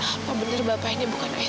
apa bener bapak ini bukan ayah saya